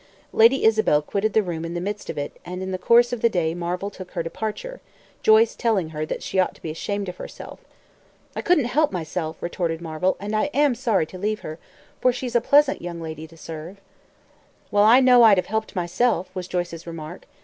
Lady Isabel quitted the room in the midst of it; and in the course of the day Marvel took her departure, Joyce telling her that she ought to be ashamed of herself. "I couldn't help myself," retorted Marvel, "and I am sorry to leave her, for she's a pleasant young lady to serve." "Well, I know I'd have helped myself," was Joyce's remark.